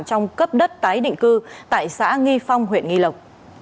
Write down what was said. trong cấp đất tái định cư tại xã nghi phong huyện nghi lộc